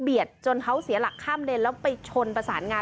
เบียดจนเขาเสียหลักขั้าวเล่นแล้วไปชนประสานงา